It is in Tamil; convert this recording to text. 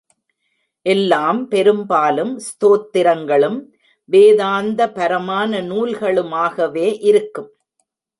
எல்லாம் பெரும்பாலும் ஸ்தோத்திரங்களும் வேதாந்தபரமான நூல்களுமாகவே இருக்கும்.